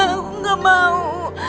aku gak mau